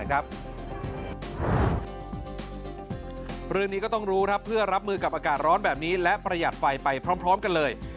เรื่องนี้ก็ต้องรู้เพื่อรับมือกับอากาศร้อนแบบนี้และประหยัดไฟไปพร้อมกันเลย